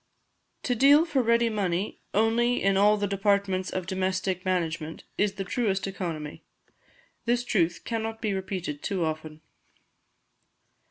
To deal for ready money only in all the departments of domestic arrangement, is the truest economy. This truth cannot be repeated too often.